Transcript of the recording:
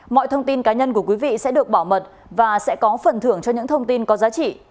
mọi thông tin cá nhân của quý vị sẽ được bảo mật và sẽ có phần thưởng cho những thông tin có giá trị